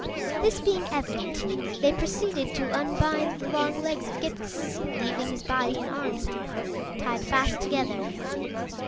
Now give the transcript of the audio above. This being evident, they proceeded to unbind the long legs of Ghip Ghisizzle, leaving his body and arms, however, tied fast together.